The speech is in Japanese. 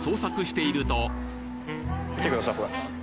見てくださいこれ。